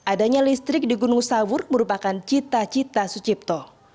adanya listrik di gunung sawur merupakan cita cita sucipto